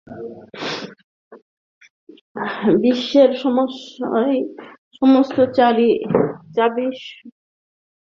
বিশ্বের সমস্যার সমস্ত চাবি শুধু শব্দের সাথেই খুলে যায়।